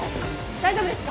大丈夫ですか？